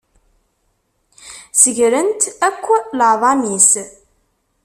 Segrent akk leεḍam-is.